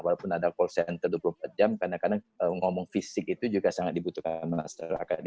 walaupun ada call center dua puluh empat jam kadang kadang ngomong fisik itu juga sangat dibutuhkan masyarakat